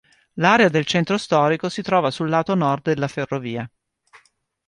L'area del centro storico si trova sul lato nord della ferrovia.